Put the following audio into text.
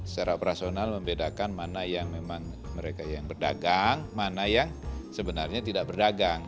secara operasional membedakan mana yang memang mereka yang berdagang mana yang sebenarnya tidak berdagang